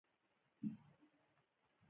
انجینران د طبیعت سرچینو ته محدود لاسرسی لري.